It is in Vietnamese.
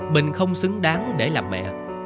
bình không xứng đáng để làm mẹ